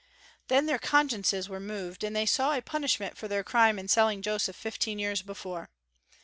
Then their consciences were moved, and they saw a punishment for their crime in selling Joseph fifteen years before.